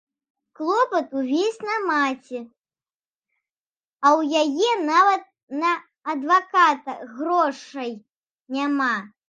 Клопат увесь на маці, а ў яе нават на адваката грошай няма.